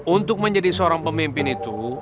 untuk menjadi seorang pemimpin itu